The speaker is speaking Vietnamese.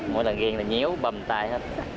mỗi lần ghen là nhéo bầm tay hết